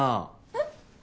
えっ？